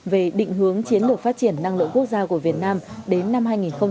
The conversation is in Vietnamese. về định hướng chiến lược phát triển năng lượng quốc gia của việt nam đến năm hai nghìn ba mươi